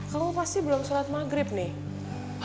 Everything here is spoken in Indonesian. kalau pas sih belum sholat maghrib nih